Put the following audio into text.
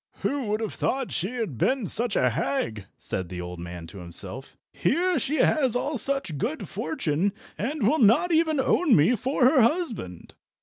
"Who would have thought she had been such a hag?" said the old man to himself. "Here she has all such good fortune, and will not even own me for her husband!"